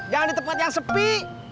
jangan di tempat yang sepi